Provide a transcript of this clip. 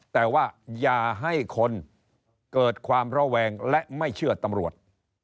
แต่ว่าอย่าให้คนเกิดความระแวงและไม่เชื่อตำรวจ